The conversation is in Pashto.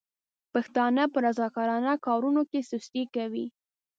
پښتانه په رضاکاره کارونو کې سستي کوي.